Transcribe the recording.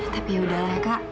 tapi yaudahlah kak